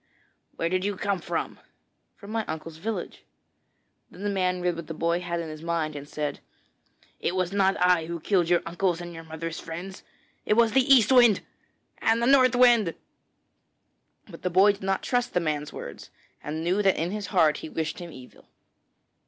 'Where did you come from?' 'From my uncle's village.' Then the man read what the boy had in his mind and said: 'It was not I who killed your uncles and your mother's friends; it was the East Wind and the North Wind.' But the boy did not trust the man's words, and knew that in his heart he wished him evil.